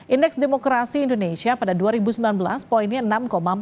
indeks demokrasi indonesia pada dua ribu sembilan belas poinnya enam empat